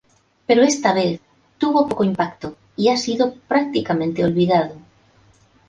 Pero esta vez tuvo poco impacto y ha sido prácticamente olvidado.